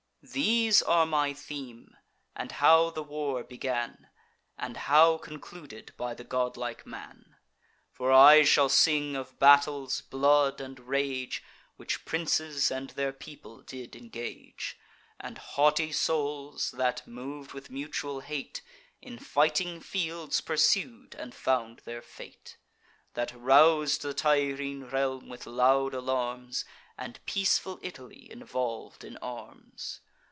These are my theme, and how the war began, And how concluded by the godlike man: For I shall sing of battles, blood, and rage, Which princes and their people did engage; And haughty souls, that, mov'd with mutual hate, In fighting fields pursued and found their fate; That rous'd the Tyrrhene realm with loud alarms, And peaceful Italy involv'd in arms.